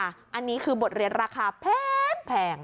อันนี้คือบทเรียนราคาแพง